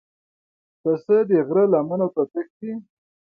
پسه د غره لمنو ته تښتي.